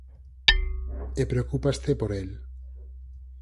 E preocúpaste por el.